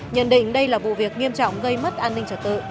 nhận định đây là vụ việc nghiêm trọng gây mất an ninh trật tự